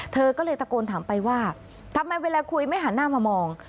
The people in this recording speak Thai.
เธอก็เลยตะโกนถามไปว่าทำไมเวลาคุยไม่หันหน้ามามอง